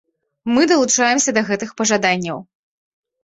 Мы далучаемся да гэтых пажаданняў.